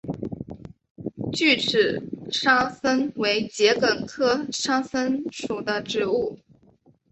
锯齿沙参为桔梗科沙参属的植物。